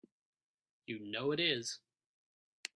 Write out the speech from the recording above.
You know it is!